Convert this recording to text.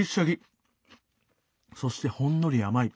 そしてほんのり甘い。